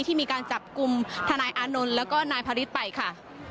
ที่มีการจับกลุ่มทนายอานนท์แล้วก็นายพระฤทธิ์ไปค่ะ